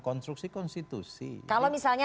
konstruksi konstitusi kalau misalnya